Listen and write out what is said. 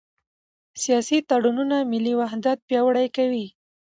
سیاسي تړونونه ملي وحدت پیاوړی کوي